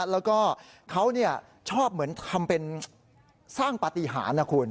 แล้วก็เขาชอบเหมือนทำเป็นสร้างปฏิหารนะคุณ